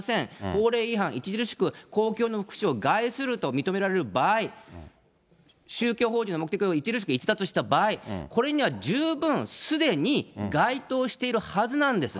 法令違反、著しく公共の福祉を害すると認められる場合、宗教法人の目的を著しく逸脱した場合、これには十分、すでに該当しているはずなんです。